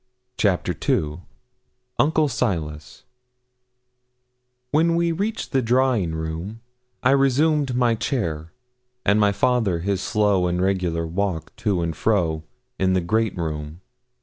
CHAPTER II UNCLE SILAS When we reached the drawing room, I resumed my chair, and my father his slow and regular walk to and fro, in the great room.